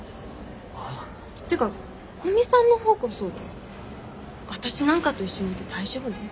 ていうか古見さんの方こそ私なんかと一緒にいて大丈夫なの？